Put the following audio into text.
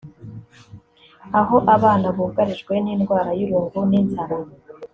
aho abana bugarijwe n’indwara y’irungu n’inzara